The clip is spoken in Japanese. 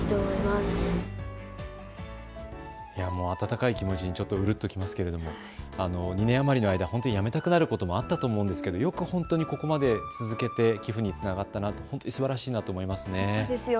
温かい気持ちにちょっとうるっときますけれども、２年余りの間ほんとにやめたくなることもあったと思うんですがよくここまで続けて、寄付につながったと、ほんとにすばらしいと思います。